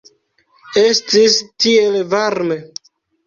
Estis tiel varme.